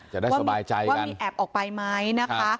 จะได้สบายใจว่ามีแอบออกไปไหมนะคะ